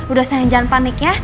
udah saya jangan panik ya